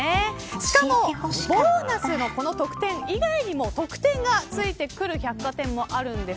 しかもボーナスの特典以外にも特典がついてくる百貨店もあるんです。